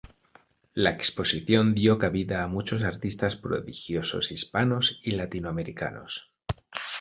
La exposición dio cabida a muchos artistas prodigiosos Hispanos y Latinoamericanos.